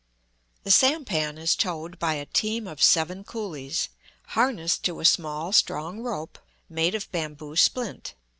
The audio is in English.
The sampan is towed by a team of seven coolies, harnessed to a small, strong rope made of bamboo splint.